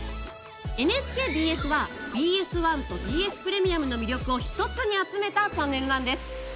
ＮＨＫＢＳはＢＳ１とＢＳプレミアムの魅力を一つに集めたチャンネルなんです。